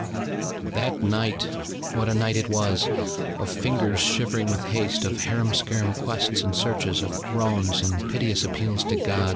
That night! what a night it was! of fingers shivering with haste, of harum scarum quests and searches, of groans, and piteous appeals to God.